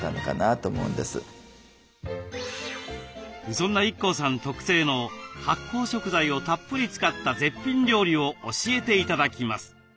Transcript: そんなＩＫＫＯさん特製の発酵食材をたっぷり使った絶品料理を教えて頂きます。